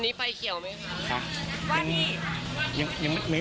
เธอได้ข่าวแววกันแล้วนี่